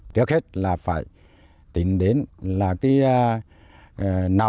trước hết là phải tính đến là cái nào